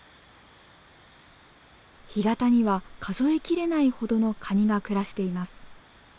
干潟には数え切れないほどのカニが暮らしています。